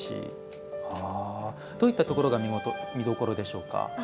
どういったところが見どころでしょうか？